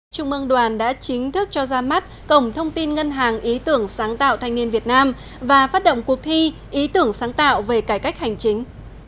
trung mương đoàn đã chính thức cho ra mắt cổng thông tin ngân hàng ý tưởng sáng tạo thanh niên việt nam và phát động cuộc thi ý tưởng sáng tạo về cải cách hành chính